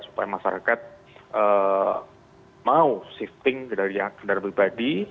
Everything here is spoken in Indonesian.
supaya masyarakat mau shifting dari kendaraan pribadi